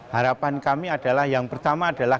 harapan kami adalah yang pertama adalah